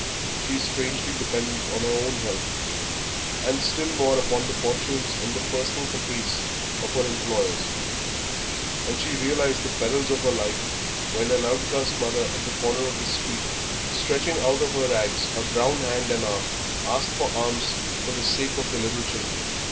She is strangely dependent on her own health, and still more upon the fortunes and the personal caprice of her employers; and she realised the perils of her life when an outcast mother at the corner of the street, stretching out of her rags a brown hand and arm, asked alms for the sake of the little children.